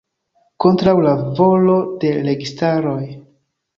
Kontraŭ la volo de registaroj.